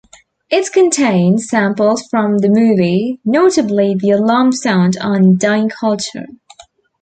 It contains samples from the movie, notably the alarm sound on "Dying culture".